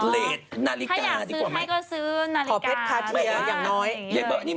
เลสนาฬิกาดีกว่าไหม